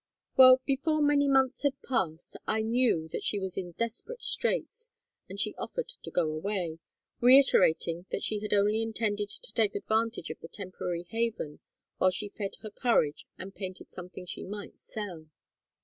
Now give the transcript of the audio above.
"Well, before many months had passed I knew that she was in desperate straits, and she offered to go away, reiterating that she had only intended to take advantage of the temporary haven while she fed her courage and painted something that might sell.